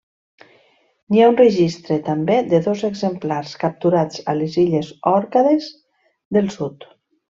N'hi ha un registre també de dos exemplars capturats a les illes Òrcades del Sud.